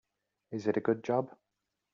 Is it a good job?